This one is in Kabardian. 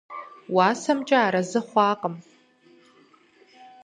УасэмкӀэ арэзы хъуакъым.